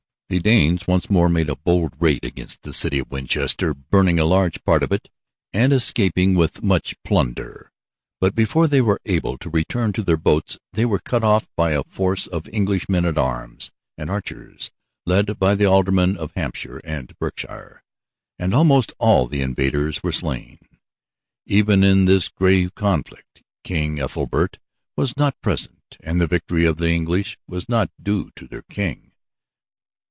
The Danes once made a bold raid against the city of Winchester, burning a large part of it and escaping with much plunder but before they were able to return to their boats they were cut off by a force of English men at arms and archers led by the aldermen of Hampshire and Berkshire, and almost all of the invaders were slain. Even in this grave conflict, King Ethelbert was not present, and the victory of the English was not due to their King.